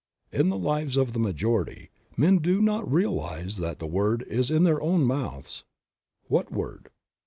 In the lives of the majority, men do not realize that the Word is in their own mouths. What Word?